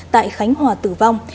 tại khánh hòa tử vong